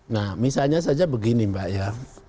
nah misalnya saja begini mbak ya